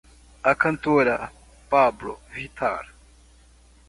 A cantora Pablo Vittar